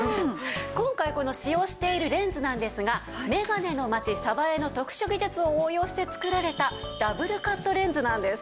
今回使用しているレンズなんですが眼鏡の街江の特殊技術を応用して作られたダブルカットレンズなんです。